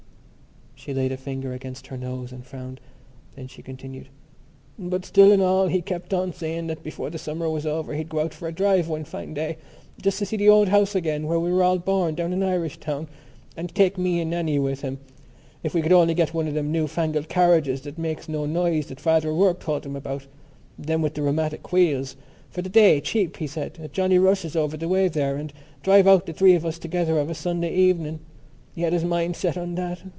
She laid a finger against her nose and frowned: then she continued: "But still and all he kept on saying that before the summer was over he'd go out for a drive one fine day just to see the old house again where we were all born down in Irishtown and take me and Nannie with him. If we could only get one of them new fangled carriages that makes no noise that Father O'Rourke told him about, them with the rheumatic wheels, for the day cheap—he said, at Johnny Rush's over the way there and drive out the three of us together of a Sunday evening. He had his mind set on that....